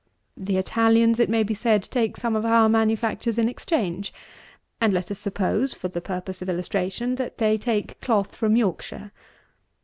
The Italians, it may be said, take some of our manufactures in exchange; and let us suppose, for the purpose of illustration, that they take cloth from Yorkshire.